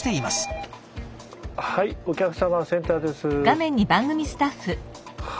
はいお客さまセンターです。